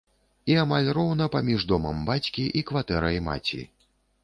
І амаль роўна паміж домам бацькі і кватэрай маці.